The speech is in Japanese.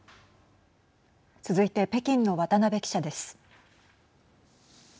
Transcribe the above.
続いて、北京の渡辺記者です。